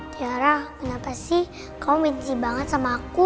tiara kenapa sih kau mimpi banget sama aku